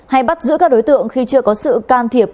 hay bắt giữ các đối tượng khi chưa có sự can thiệp